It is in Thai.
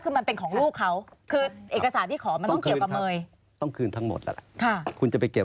คือยังไม่ทราบจริง